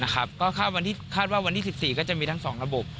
ข้าวว่าวันที่๑๔จะคือสองระบบ